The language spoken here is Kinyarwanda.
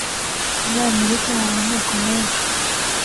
Muri Amerika hari amoko menshi.